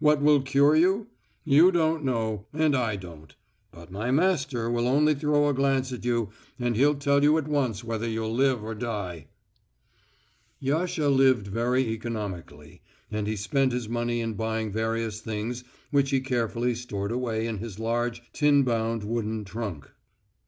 What will cure you? You don't know, and I don't. But my master will only throw a glance at you and he'll tell you at once whether you'll live or die." Yasha lived very economically, and he spent his money in buying various things which he carefully stored away in his large tin bound wooden trunk.